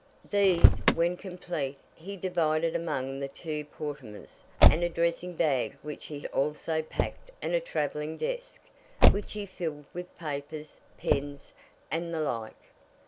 These, when complete, he divided among the two portmanteaus and a dressing bag which he also packed and a travelling desk, which he filled with papers, pens, and the like.